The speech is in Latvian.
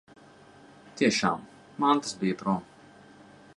Tiešām, mantas bija prom.